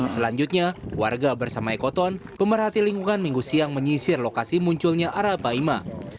selanjutnya warga bersama ekoton pemerhati lingkungan minggu siang menyisir lokasi munculnya arapaima